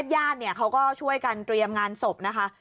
ญาติเขาก็ช่วยกันเตรียมงานศพนะคะ